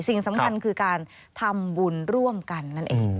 สิ่งสำคัญคือการทำบุญร่วมกันนั่นเอง